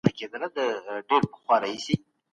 قناعت له سرو زرو ډیر ارزښت لري.